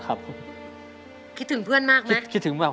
คิดถึงเพื่อนมากไหม